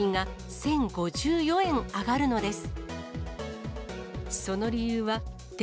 １０５４円上がるんですか？